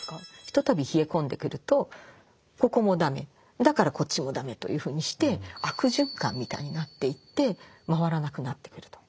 一たび冷え込んでくるとここも駄目だからこっちも駄目というふうにして悪循環みたいになっていって回らなくなってくると。